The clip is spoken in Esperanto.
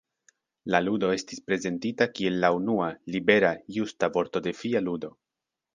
La ludo estis prezentita kiel la unua libera justa vorto-defia ludo.